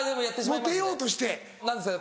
モテようとして。